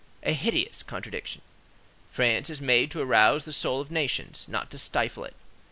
A hideous contradiction. France is made to arouse the soul of nations, not to stifle it.